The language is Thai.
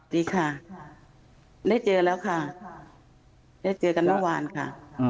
ดีค่ะได้เจอแล้วค่ะได้เจอกันเมื่อวานค่ะ